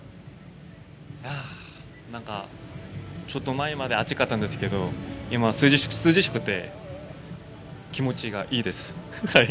ああなんかちょっと前まで暑かったんですけど、今は涼しくて、気持ちがいいです、はい。